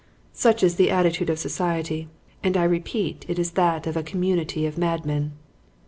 Such is the attitude of society; and I repeat it is that of a community of madmen.